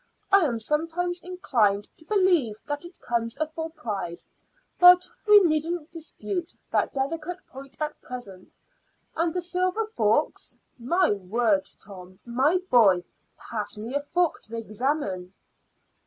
I am sometimes inclined to believe that it comes afore pride; but we needn't dispute that delicate point at present. And the silver forks. My word! Tom, my boy, pass me a fork to examine."